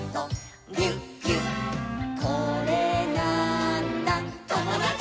「これなーんだ『ともだち！』」